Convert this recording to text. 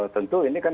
tentu ini kan